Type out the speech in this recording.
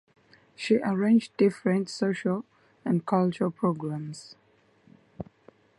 She arranged different social and cultural programmes.